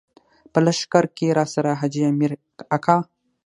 په لښکر کې راسره حاجي مير اکا.